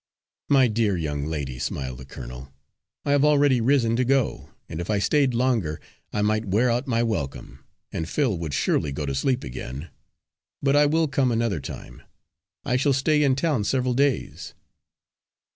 "My dear young lady," smiled the colonel, "I have already risen to go, and if I stayed longer I might wear out my welcome, and Phil would surely go to sleep again. But I will come another time I shall stay in town several days."